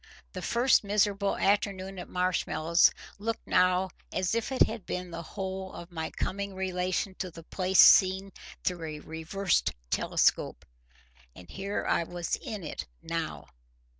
The first miserable afternoon at Marshmallows looked now as if it had been the whole of my coming relation to the place seen through a reversed telescope. And here I was IN it now.